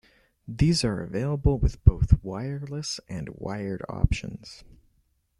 These are available with both wireless and wired options.